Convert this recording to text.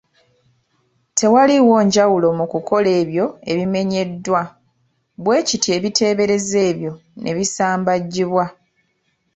Tewaaliwo njawulo mu kukola ebyo ebimenyeddwa, bwe kityo ebiteeberezo ebyo ne bisambajjibwa.